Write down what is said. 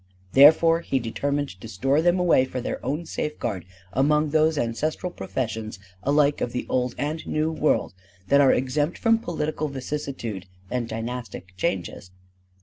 Therefore he determined to store them away for their own safeguard among those ancestral professions alike of the Old and New World that are exempt from political vicissitude and dynastic changes.